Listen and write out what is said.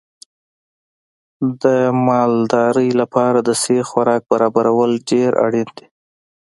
د مالدارۍ لپاره د صحي خوراک برابرول ډېر اړین دي.